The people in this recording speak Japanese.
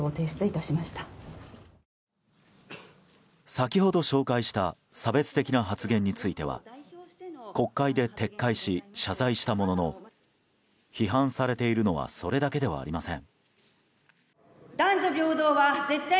先ほど紹介した差別的な発言については国会で撤回し、謝罪したものの批判されているのはそれだけではありません。